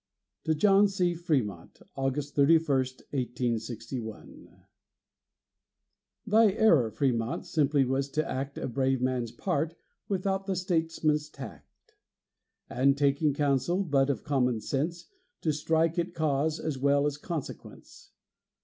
TO JOHN C. FRÉMONT [August 31, 1861] Thy error, Frémont, simply was to act A brave man's part, without the statesman's tact, And, taking counsel but of common sense, To strike at cause as well as consequence.